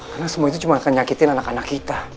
karena semua itu cuma akan nyakitin anak anak kita